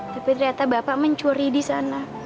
tapi ternyata bapak mencuri disana